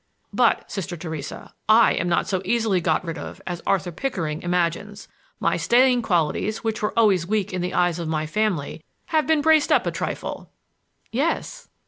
But, Sister Theresa, I am not so easily got rid of as Arthur Pickering imagines. My staying qualities, which were always weak in the eyes of my family, have been braced up a trifle." "Yes."